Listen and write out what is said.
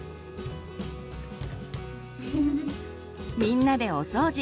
みんなでお掃除。